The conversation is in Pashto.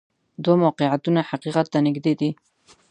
دوه موقعیتونه حقیقت ته نږدې دي.